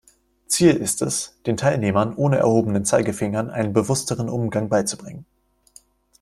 Ziel ist es, den Teilnehmern ohne erhobenen Zeigefinger einen bewussteren Umgang beizubringen.